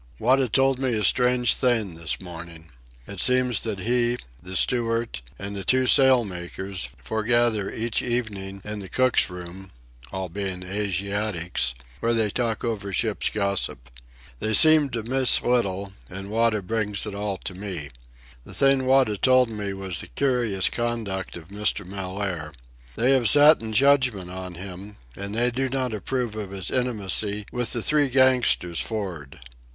Wada told me a strange thing this morning. It seems that he, the steward, and the two sail makers foregather each evening in the cook's room—all being Asiatics—where they talk over ship's gossip. They seem to miss little, and Wada brings it all to me. The thing Wada told me was the curious conduct of Mr. Mellaire. They have sat in judgment on him and they do not approve of his intimacy with the three gangsters for'ard.